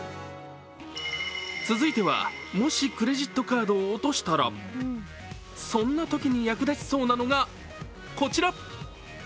続いては、もしクレジットカードを落としたらそんなときに役立ちそうなのがこちら！